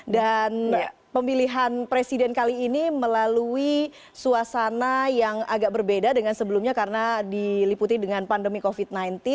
dan pemilihan presiden kali ini melalui suasana yang agak berbeda dengan sebelumnya karena diliputi dengan pandemi covid sembilan belas